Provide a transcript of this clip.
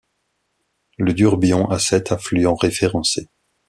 Le Durbion a sept affluents référencés.